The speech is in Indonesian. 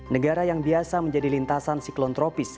negara yang biasa menjadi lintasan siklon tropis